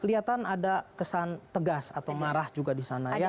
kelihatan ada kesan tegas atau marah juga di sana ya